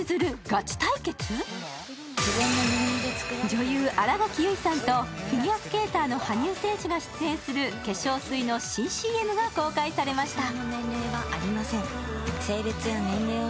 女優、新垣結衣さんとフィギュアスケーターの羽生選手が出場する出演する化粧水の新ＣＭが公開されました。